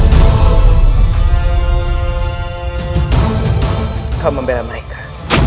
coba kau membeli mereka